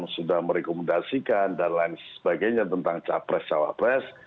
sudah merekomendasikan dan lain sebagainya tentang capres cawapres